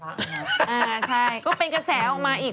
ใช่ก็เป็นกระแสออกมาอีก